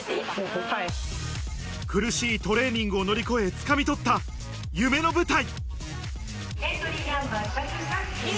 苦しいトレーニングを乗り越え掴み取った夢の舞台。